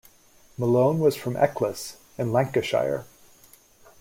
Malone was from Eccles in Lancashire.